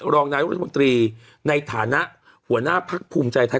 รองรายลัทธิบนตรีในฐานะหัวหน้าภักดิ์ภูมิใจไทย